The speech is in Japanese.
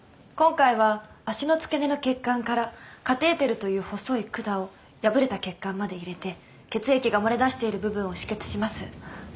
今回は足の付け根の血管からカテーテルという細い管を破れた血管まで入れて血液が漏れ出している部分を止血します。